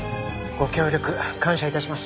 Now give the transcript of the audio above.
ご協力感謝致します。